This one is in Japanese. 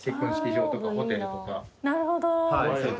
なるほど。